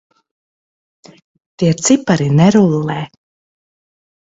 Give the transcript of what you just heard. Tie cipari nerullē.